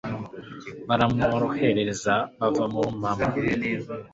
Baramworo hereza bava murumpamo